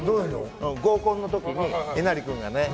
合コンの時に、えなり君がね